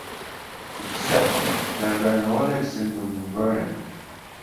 Except, there were no lyrics in the new version.